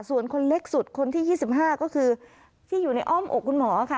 ส่วนคนเล็กสุดคนที่๒๕ก็คือที่อยู่ในอ้อมอกคุณหมอค่ะ